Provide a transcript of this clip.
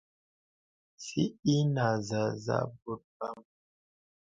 Sì ìnə zəzə bɔ̀t bàm.